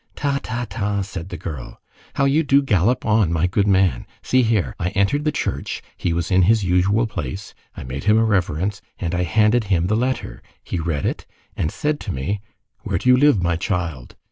"Ta, ta, ta," said the girl, "how you do gallop on, my good man! See here: I entered the church, he was in his usual place, I made him a reverence, and I handed him the letter; he read it and said to me: 'Where do you live, my child?